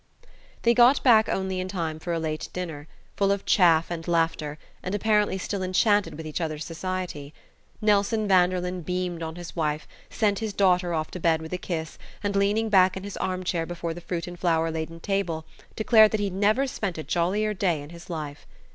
They got back only in time for a late dinner, full of chaff and laughter, and apparently still enchanted with each other's society. Nelson Vanderlyn beamed on his wife, sent his daughter off to bed with a kiss, and leaning back in his armchair before the fruit and flower laden table, declared that he'd never spent a jollier day in his life.